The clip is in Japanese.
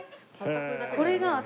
これが私